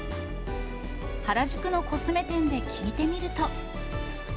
原宿のコスメ店で聞いてみると。